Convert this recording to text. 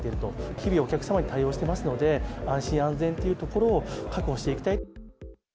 日々、お客様に対応してますので、安心安全というところを確保していきたい。